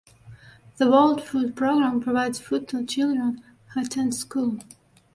The world food program provides food to children who attend school.